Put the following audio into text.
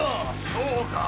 そうか。